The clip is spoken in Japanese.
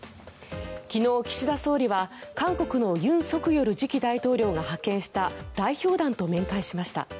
昨日、岸田総理は韓国の尹錫悦次期大統領が派遣した代表団と面会しました。